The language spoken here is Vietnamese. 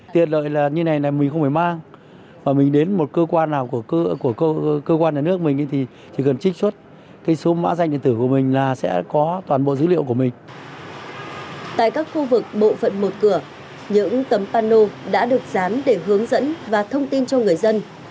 tại các khu vực bộ phận một cửa những tấm pano đã được dán để hướng dẫn và thông tin cho người dân